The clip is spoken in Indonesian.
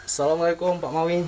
assalamualaikum pak maui